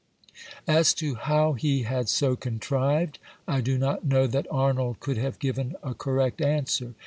As to how he had so contrived, I do not know that Arnold could have given a correct answer.